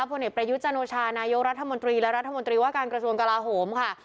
ผลเอกประยุทธ์จันโอชานายกรัฐมนตรีและรัฐมนตรีว่าการกระทรวงกลาโหมค่ะ